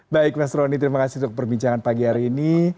baik mas roni terima kasih untuk perbincangan pagi hari ini